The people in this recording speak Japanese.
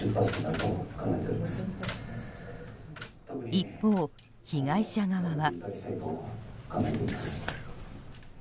一方、被害者側は。